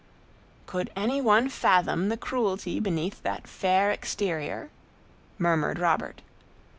"Could any one fathom the cruelty beneath that fair exterior?" murmured Robert.